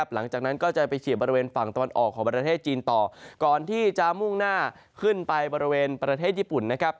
หลังจากนั้นก็จะไปเฉียบบริเวณฝั่งตะวันออกของประเทศจีนต่อก่อนที่จะมุ่งหน้าขึ้นไปบริเวณประเทศญี่ปุ่นนะครับ